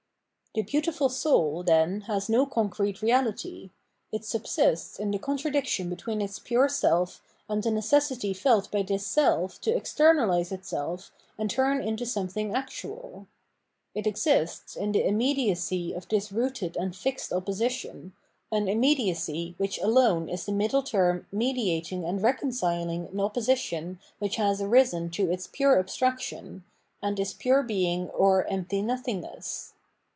The "beautiful soul," then, has no concrete reality ; it subsists in the contra diction between its pure self and the necessity felt by this self to externalise itself and turn into something actual; it exists in the immediacy of this rooted and fixed opposition, an immediacy which alone is the middle term mediating and reconciling an opposition which has arisen to its pure abstraction, and is pure being or empty nothingness.